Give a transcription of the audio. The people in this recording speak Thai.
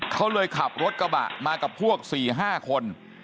เขาเลยขับรถกระบะมากับพวก๔๕คน